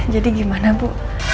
jadi gimana bu